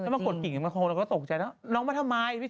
เป็นผู้หญิงหน้าตาดี